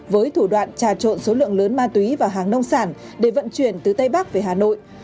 với thủ đoạn trà trộn số lượng lớn ma túy và hàng nông sản để vận chuyển từ tây bắc về hà nội